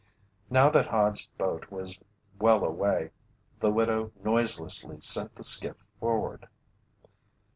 Now that Hod's boat was well away, the widow noiselessly sent the skiff forward.